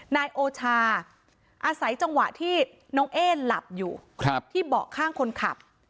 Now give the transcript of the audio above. นายโอชาอาศัยจังหวะที่น้องเอ๊หลับอยู่ที่เบาะข้างคนขับ